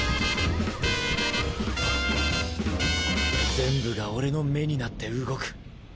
全部が俺の目になって動く。